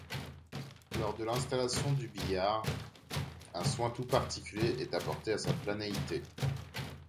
Lors de l'installation du billard, un soin tout particulier est apporté à sa planéité.